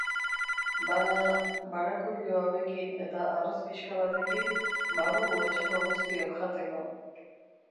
Bada, barakuilu hauekin eta arroz pixka batekin, badugu etxeko guztiok jateko.